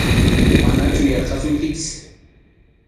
Manachu yarqasunkichik.